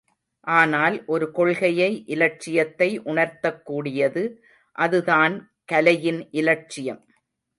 ஆனால் ஒரு கொள்கையை இலட்சியத்தை உணர்த்தக்கூடியது, அது தான் கலையின் இலட்சியம்.